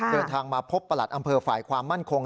เดินทางมาพบประหลัดอำเภอฝ่ายความมั่นคง